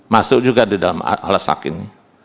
masuk juga di dalam alas hak ini